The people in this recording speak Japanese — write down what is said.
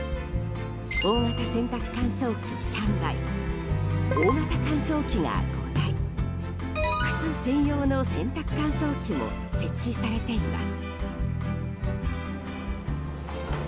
大型洗濯乾燥機３台大型乾燥機が５台靴専用の洗濯乾燥機も設置されています。